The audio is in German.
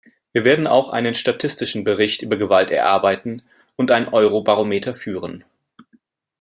Wir werden auch einen statistischen Bericht über Gewalt erarbeiten und ein Eurobarometer führen.